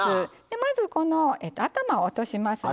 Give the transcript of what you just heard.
まずこの頭を落としますね。